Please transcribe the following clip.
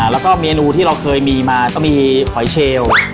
แล้วก็เมนูที่เราเคยมีมาก็มีหอยเชล